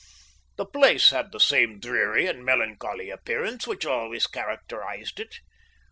The place had the same dreary and melancholy appearance which always characterised it.